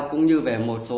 cũng như về một số